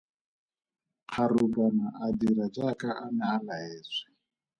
Kgarubane a dira jaaka a ne a laetswe.